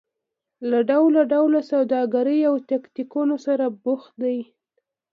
له ډول ډول سوداګریو او تاکتیکونو سره بوخت دي.